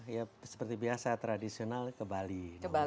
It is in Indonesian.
ya seperti biasa tradisional ke bali nomor satu